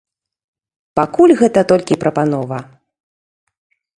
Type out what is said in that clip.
Пакуль гэта толькі прапанова.